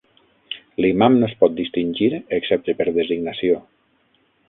L'imam no es pot distingir excepte per designació.